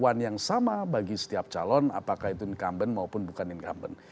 kelakuan yang sama bagi setiap calon apakah itu incumbent maupun bukan incumbent